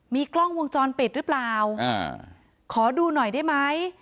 มีกล้องวงจรปิดหรือเปล่าอ่าขอดูหน่อยได้ไหม